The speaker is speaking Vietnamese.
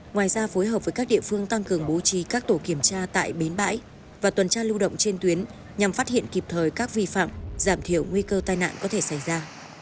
ngoài ra phối hợp với các địa phương tăng cường bố trì các tổ kiểm tra tại bến bãi và tuần tra lưu động trên tuyến nhằm phát hiện kịp thời các vi phạm giảm thiểu nguy cơ tai nạn có thể xảy ra